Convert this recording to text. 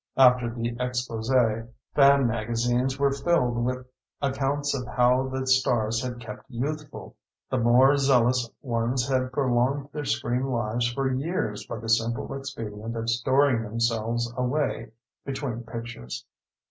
After the expose, fan magazines were filled with accounts of how the stars had kept youthful. The more zealous ones had prolonged their screen lives for years by the simple expedient of storing themselves away between pictures.